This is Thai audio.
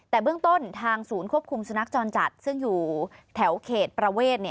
แต่เบื้องต้นทางศูนย์ควบคุมสุนัขจรจัดซึ่งอยู่แถวเขตประเวท